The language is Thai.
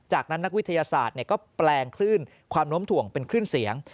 จากนั้นนักวิทยาศาสตร์ก็แปลงคลื่นความโน้มถ่วงเป็นคลื่นเสียง